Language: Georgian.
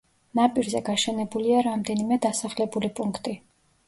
ნაპირზე გაშენებულია რამდენიმე დასახლებული პუნქტი.